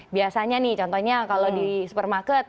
biasanya nih contohnya kalau di supermarket